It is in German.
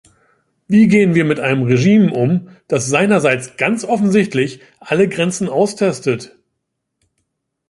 Wie gehen wir mit einem Regime um, das seinerseits ganz offensichtlich alle Grenzen austestet?